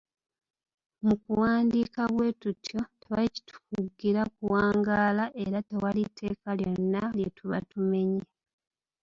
"Mu kuwandiika bwe tutyo, tewali kitukugira kuwangaala era tewali tteeka lyonna lye tuba tumenye."